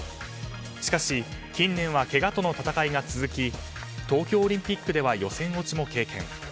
しかし、近年はけがとの戦いが続き東京オリンピックでは予選落ちも経験。